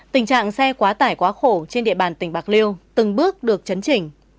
tình trạng xe quá tải quá khổ trên địa bàn tỉnh bạc liêu từng bước được chấn chỉnh